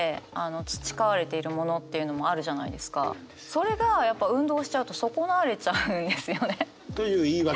それがやっぱ運動しちゃうと損なわれちゃうんですよね。という言い訳？